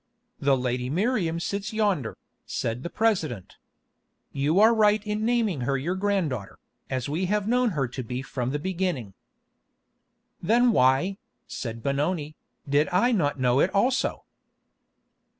"The lady Miriam sits yonder," said the President. "You are right in naming her your granddaughter, as we have known her to be from the beginning." "Then why," said Benoni, "did I not know it also?"